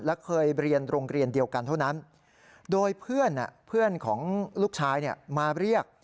และเคยเรียนโรงเรียนเดียวกันเท่านั้นโดยเพื่อนเพื่อนของลูกชายมาเรียก